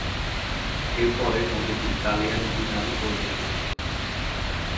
এর পরে নদীটি কালিয়া নদী নামে পরিচিত।